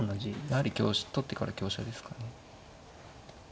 やはり香取ってから香車ですかね。